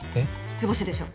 図星でしょ？